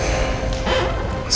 mereka semua akan menangis